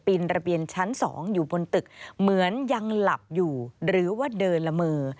ระเบียนชั้น๒อยู่บนตึกเหมือนยังหลับอยู่หรือว่าเดินละเมอ